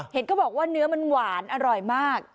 ก็บอกว่าเนื้อมันหวานอร่อยมาก